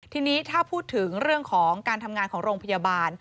ทีนี้ถ้าพูดถึงเรื่องของการทำงานของโรงพยาบาล